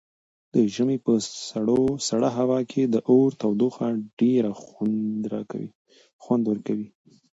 د ژمي په سړه هوا کې د اور تودوخه ډېره خوند ورکوي.